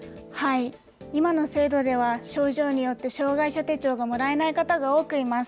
今の制度では、症状によって障害者手帳がもらえない方が多くいます。